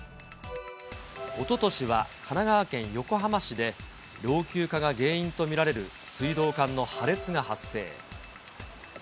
おととしは神奈川県横浜市で、老朽化が原因と見られる水道管の破裂が発生。